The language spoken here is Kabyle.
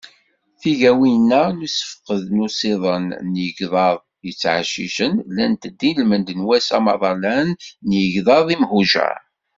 Tigawin-a n usefqed d usiḍen n yigḍaḍ yettɛeccicen, llant-d i lmend n wass amaḍalan n yigḍaḍ imhujar.